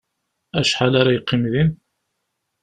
Acḥal ara yeqqim din?